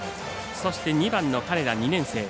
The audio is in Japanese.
そして、２番の金田、２年生。